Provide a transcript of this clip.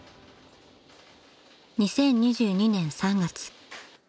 ［２０２２年３月］